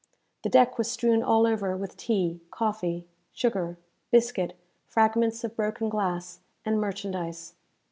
The deck was strewn all over with tea, coffee, sugar, biscuit, fragments of broken glass, and merchandise.